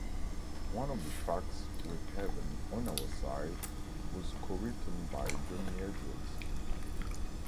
One of the tracks, "With Heaven On Our Side", was co-written by Johnny Edwards.